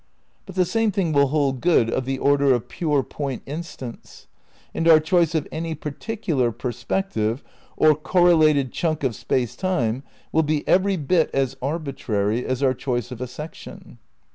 But the same thing will hold good of the order of pure point instants. Aind our choice of any particular perspective, or correlated chunk of Space Time, will be every bit as arbitrary as our choice of a section.